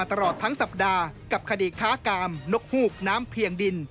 ตลอดทั้งสัปดาห์กับคดีค้ากามนกฮูกน้ำเพียงดิน